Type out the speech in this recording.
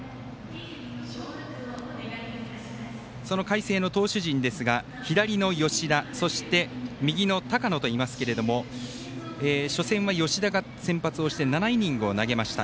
その海星の投手陣ですが左の吉田、そして右の高野といますが初戦は吉田が先発をして７イニングを投げました。